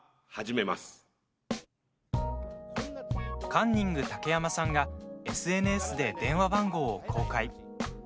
カンニング竹山さんがＳＮＳで電話番号を公開。